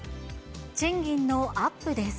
賃金のアップです。